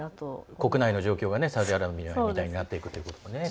国内の状況がサウジアラビアみたいになっていくということですね。